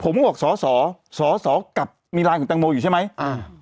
ผมก็บอกสอสอสอสอกลับมีไลน์ของแตงโมอยู่ใช่ไหมอ่า